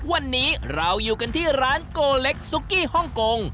วันนี้เราอยู่กันที่ร้านโกเล็กซุกี้ฮ่องกง